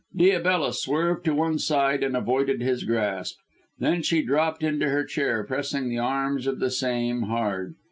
Diabella swerved to one side and avoided his grasp. Then she dropped into her chair, pressing the arms of the same hard.